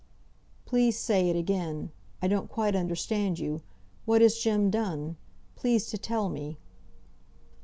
"Please, say it again. I don't quite understand you. What has Jem done? Please to tell me."